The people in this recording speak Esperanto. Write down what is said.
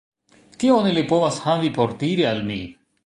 Kion ili povas havi por diri al mi?